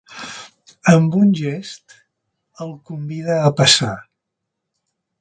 Amb un gest el convida a passar.